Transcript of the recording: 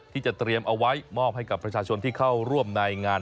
ที่จะเตรียมเอาไว้มอบให้กับประชาชนที่เข้าร่วมในงาน